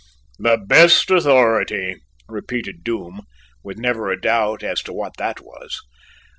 "The best authority," repeated Doom, with never a doubt as to what that was.